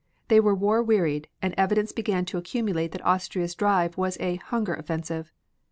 They were war wearied, and evidence began to accumulate that Austria's drive was a "hunger offensive."